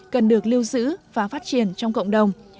cần được lưu giữ và phát triển trong cộng đồng